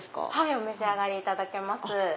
お召し上がりいただけます。